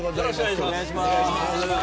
よろしくお願いします。